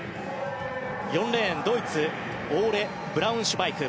４レーン、ドイツオーレ・ブラウンシュバイク。